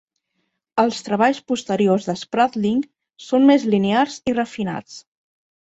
Els treballs posteriors de Spratling són més linears i refinats.